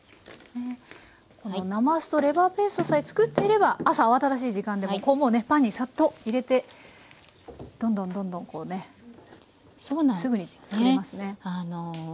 このなますとレバーペーストさえ作っていれば朝慌ただしい時間でもこうもうねパンにさっと入れてどんどんどんどんこうねすぐに作れますね。